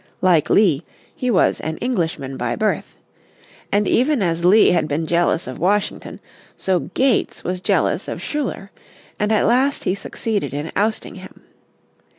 Like Lee he was an Englishman by birth. And even as Lee had been jealous of Washington so Gates was jealous of Schuyler, and at last he succeeded in ousting him.